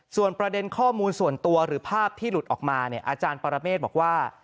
ส่วนประเด็นข้อมูลส่วนตัวหรือภาพที่หลุดออกมาเนี่ยอาจารย์ปรเมฆบอกว่า